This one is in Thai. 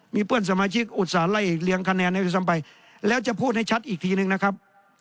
มีเพื่อนสมาชิกอุตส่าห์ไล่เลี้ยงคะแนนให้ด้วยซ้ำไปแล้วจะพูดให้ชัดอีกทีนึงนะครับ